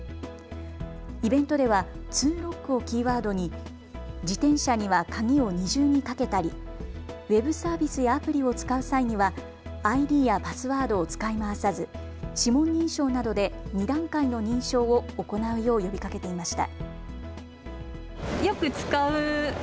イベントではツーロックをキーワードに自転車には鍵を二重にかけたりウェブサービスやアプリを使う際にはＩＤやパスワードを使い回さず指紋認証などで２段階の認証を行うよう呼びかけていました。